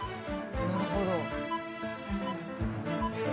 なるほど。